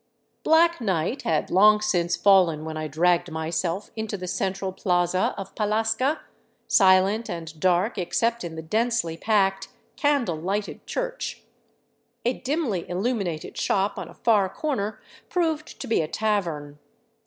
Black night had long since fallen when I dragged myself into the central plaza of Pallasca, silent and dark except in the densely packed, candle lighted church. A dimly illuminated shop on a far corner proved to be a tavern.